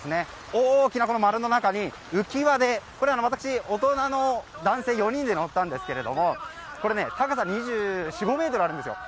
大きな丸の中に浮き輪で私、大人の男性４人で乗ったんですけども高さ２４２５ｍあるんですよ。